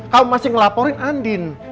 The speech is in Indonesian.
kamu masih ngelaporin andin